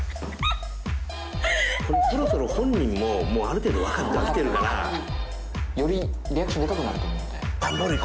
そろそろ本人もある程度分かってきてるからよりリアクションでかくなると思うんで段ボールい